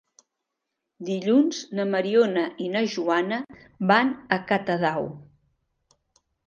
Dilluns na Mariona i na Joana van a Catadau.